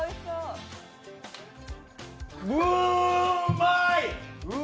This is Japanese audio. うーまい！